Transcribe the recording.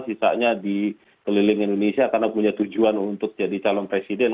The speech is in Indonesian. tidak ada yang bisa dikelilingi indonesia karena punya tujuan untuk jadi calon presiden